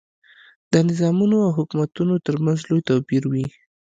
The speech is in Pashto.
د نظامونو او حکومتونو ترمنځ لوی توپیر وي.